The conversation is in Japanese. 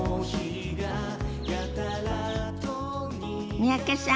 三宅さん